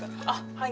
はい。